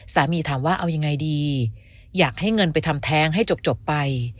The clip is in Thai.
สามีถามว่าเอายังไงดีอยากให้เงินไปทำแท้งให้จบไป